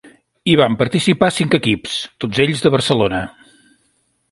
Hi van participar cinc equips, tots ells de Barcelona.